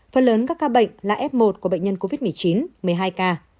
phần lớn các ca bệnh là f một của bệnh nhân covid một mươi chín một mươi hai ca